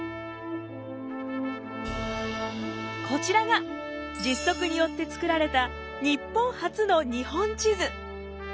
こちらが実測によって作られた日本初の日本地図。